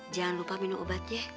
jangan lupa minum obat ya